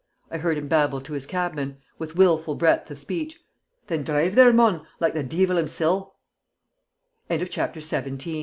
I heard him babble to his cabman, with wilful breadth of speech. "Then drive there, mon, like the deevil himsel'!" CHAPTER XVIII The Deat